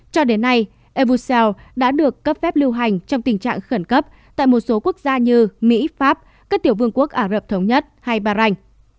cho đến nay evoseel đã được cấp phép lưu hành trong tình trạng khẩn cấp tại một số quốc gia như mỹ pháp các tiểu vương quốc ả rập thống nhất hay bahrain